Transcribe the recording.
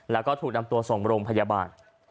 แล้วก็ถูกนำตัวส่งโรงพยาบาล